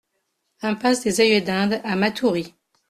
Impasse des Œillets d'Inde à Matoury